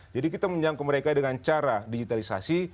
jadi kita menjangkau mereka dengan cara digitalisasi